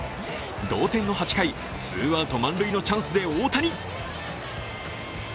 同点の８回、ツーアウト満塁のチャンスで大谷。